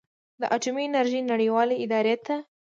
د اټومي انرژۍ نړیوالې ادارې ته